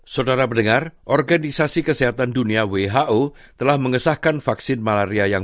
saudara mendengar organisasi kesehatan dunia who telah mengesahkan vaksin malaria yang